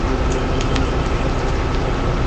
তার পিতা আবুল হোসেন আইনজীবী ছিলেন।